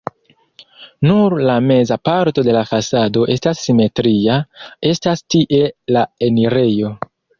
Nur la meza parto de la fasado estas simetria, estas tie la enirejo.